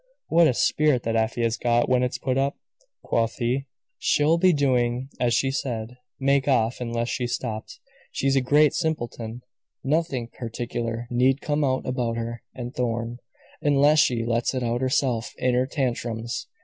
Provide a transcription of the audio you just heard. "What a spirit that Afy has got, when it's put up!" quoth he. "She'll be doing as she said make off unless she's stopped. She's a great simpleton! Nothing particular need come out about her and Thorn, unless she lets it out herself in her tantrums.